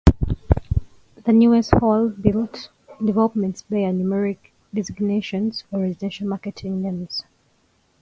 The newest whole-built developments bear numeric designations or residential marketing names.